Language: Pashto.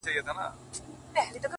په يوه تار پېيلي زړونه شلېږي!